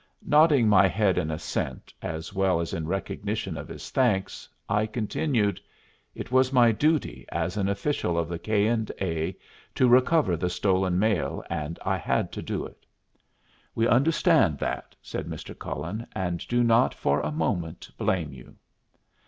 Nodding my head in assent, as well as in recognition of his thanks, I continued, "It was my duty, as an official of the K. & A., to recover the stolen mail, and I had to do it." "We understand that," said Mr. Cullen, "and do not for a moment blame you."